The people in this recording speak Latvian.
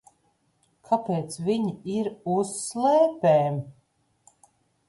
Kāpēc viņi ir uz slēpēm?